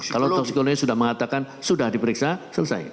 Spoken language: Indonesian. kalau toksikologi sudah mengatakan sudah diperiksa selesai